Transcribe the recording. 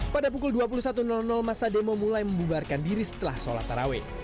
pada pukul dua puluh satu masa demo mulai membubarkan diri setelah sholat taraweh